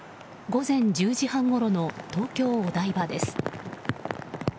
午前１０時半ごろの東京・お台場です。